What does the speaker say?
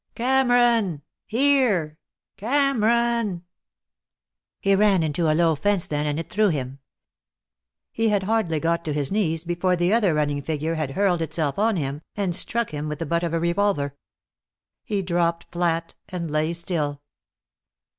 "Cameron! Here! Cameron!" He ran into a low fence then, and it threw him. He had hardly got to his knees before the other running figure had hurled itself on him, and struck him with the butt of a revolver. He dropped flat and lay still.